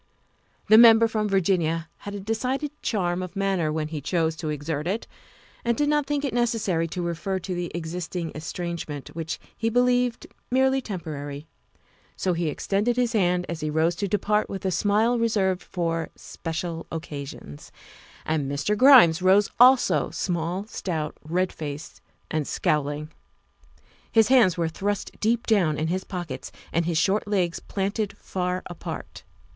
The Member from Virginia had a decided charm of manner when he chose to exert it, and did not think it necessary to refer to the existing estrangement, which he believed merely temporary. So he extended his hand THE SECRETARY OF STATE 285 as he rose to depart with the smile reserved for special occasions. And Mr. Grimes rose also small, stout, red faced, and scowling. His hands were thrust deep down in his pockets and his short legs planted far apart.